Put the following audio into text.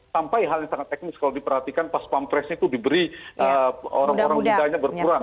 sampai hal yang sangat teknis kalau diperhatikan pas pampresnya itu diberi orang orang mudanya berkurang